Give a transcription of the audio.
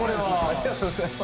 ありがとうございます。